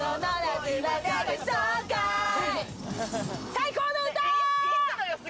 最高の歌！